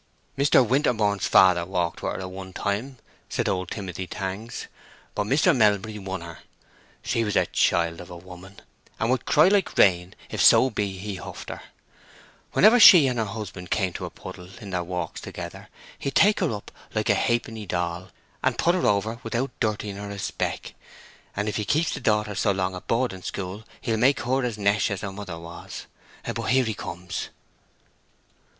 "Mr. Winterborne's father walked with her at one time," said old Timothy Tangs. "But Mr. Melbury won her. She was a child of a woman, and would cry like rain if so be he huffed her. Whenever she and her husband came to a puddle in their walks together he'd take her up like a half penny doll and put her over without dirting her a speck. And if he keeps the daughter so long at boarding school, he'll make her as nesh as her mother was. But here he comes."